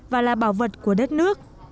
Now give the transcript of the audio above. và là bảo vật của đất nước